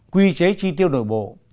quy chế tri tiêu nội bộ